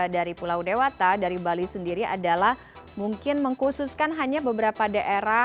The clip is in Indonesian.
dari pulau dewata dari bali sendiri adalah mungkin mengkhususkan hanya beberapa daerah